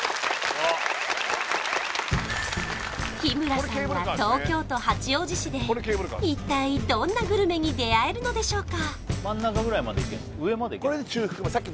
日村さんは東京都八王子市で一体どんなグルメに出会えるのでしょうか